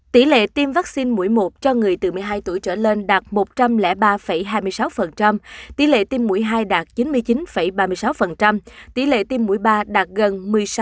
tỉ lệ tiêm vaccine mũi một cho người từ một mươi hai tuổi trở lên đạt một trăm linh ba hai mươi sáu tỉ lệ tiêm mũi hai đạt chín mươi chín ba mươi sáu tỉ lệ tiêm mũi ba đạt gần một mươi sáu hai mươi bảy